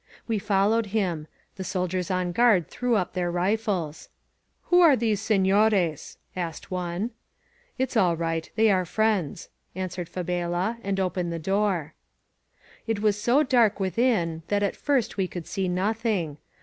We followed him. The soldiers on guard threw up their rifles. "Who are these seiiores?" asked one. *'It's all right. They are friends," answered Fa bela, and opened the door. It was so dark within that at first we could see nothing.